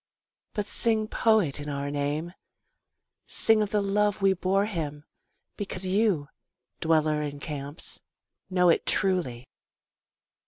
But sing poet in our name, Sing of the love we bore him because you, dweller in camps, know it truly.